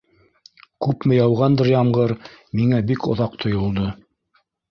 Күпме яуғандыр ямғыр, миңә бик оҙаҡ тойолдо.